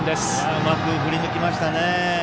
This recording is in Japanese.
うまく振り抜きましたね。